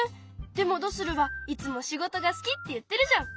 でもドスルはいつも「仕事が好き」って言ってるじゃん。